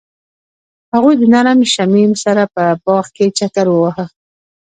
هغوی د نرم شمیم سره په باغ کې چکر وواهه.